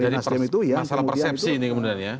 jadi masalah persepsi ini kemudian ya